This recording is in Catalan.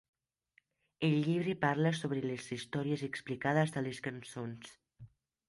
El llibre parla sobre les històries explicades a les cançons.